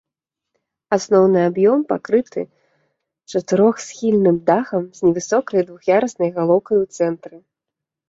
Асноўны аб'ём пакрыты чатырохсхільным дахам з невысокай двух'яруснай галоўкай у цэнтры.